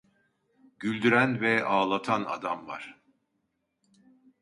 Güldüren ve ağlatan adam var…